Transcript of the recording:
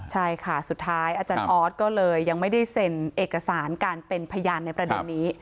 ใช่ค่ะสุดท้ายอาจารย์ออสก็เลยยังไม่ได้เซ็นเอกสารการเป็นพยานในประเด็นนี้